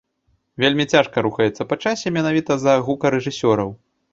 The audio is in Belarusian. Вельмі цяжка рухаецца па часе менавіта з-за гукарэжысёраў.